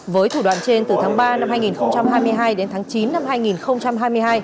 với thủ đoạn trên từ tháng ba năm hai nghìn hai mươi hai đến tháng chín năm hai nghìn hai mươi hai